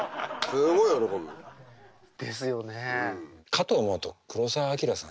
かと思うと黒澤明さんに。